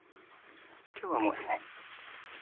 今日はもうしない。